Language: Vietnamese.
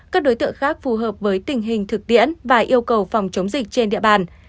các đối tượng khác phù hợp với tình hình thực tiễn và yêu cầu phòng chống dịch trên địa bàn